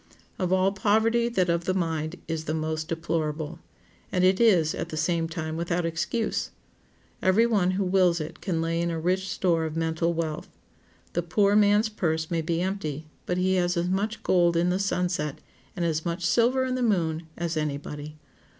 Of all poverty that of the mind is the most deplorable. And it is, at the same time, without excuse. Every one who wills it can lay in a rich store of mental wealth. The poor man's purse may be empty, but he has as much gold in the sunset, and as much silver in the moon, as any body.